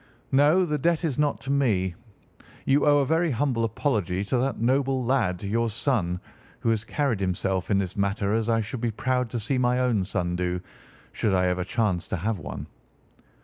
"No, the debt is not to me. You owe a very humble apology to that noble lad, your son, who has carried himself in this matter as I should be proud to see my own son do, should I ever chance to have one."